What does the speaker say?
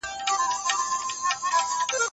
شاګردانو پخوا خپلو استادانو ته ډېر زیات درناوی کاوه.